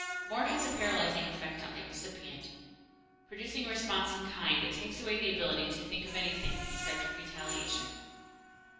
More has a paralyzing effect on the recipient, producing a response in kind that takes away the ability to think of anything except retaliation.